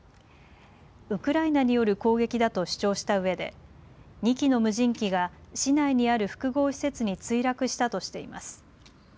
ウクライナによる攻撃だと主張したうえで２機の無人機が市内にある複合施設に墜落したとしています。